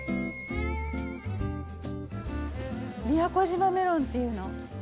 宮古島メロンっていうの？